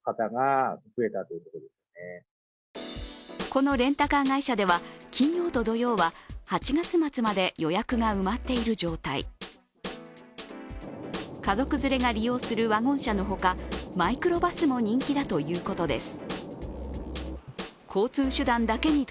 このレンタカー会社では、金曜と土曜は８月末まで予約が埋まっている状態家族連れが利用するワゴン車のほか、マイクロバスも人気だということです。